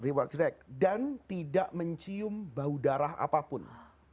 dibuat relax dan tidak mencium bau darah apapun